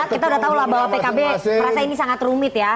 kita udah tahu lah bahwa pkb merasa ini sangat rumit ya